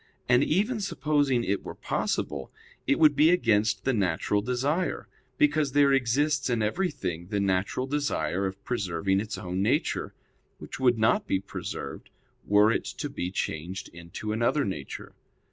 And even supposing it were possible, it would be against the natural desire; because there exists in everything the natural desire of preserving its own nature; which would not be preserved were it to be changed into another nature.